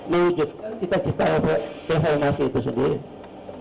mewujudkan kita ciptaan revolusi itu sendiri